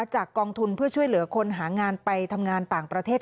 กองทุนเพื่อช่วยเหลือคนหางานไปทำงานต่างประเทศ